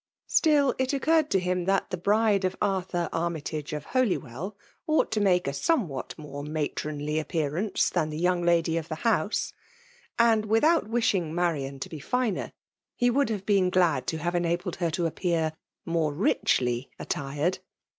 Still, it occurred to him that the bride of Arthur Armytage of Holywell ought to make a somewhat more matronly appearance than the young lady of the house ; and without wishing Marian to be ftner, he would have been glad to have enabled her to appear more tiMy attired.